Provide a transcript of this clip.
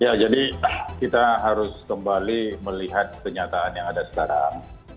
ya jadi kita harus kembali melihat kenyataan yang ada sekarang